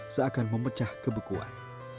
seakan memecah kebekuan